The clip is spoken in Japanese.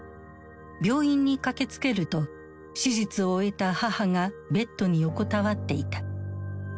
病院に駆けつけると手術を終えた母がベッドに横たわっていた。